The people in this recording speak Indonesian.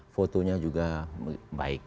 fotonya juga baik